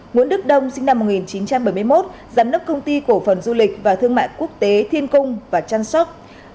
nguyễn đức đông sinh năm một nghìn chín trăm bảy mươi một giám đốc công ty cổ phần du lịch và thương mại quốc tế thiên cung và chăm sóc